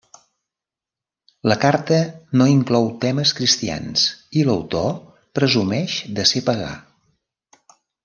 La carta no inclou temes cristians i l'autor presumeix de ser pagà.